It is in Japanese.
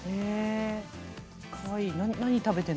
かわいい。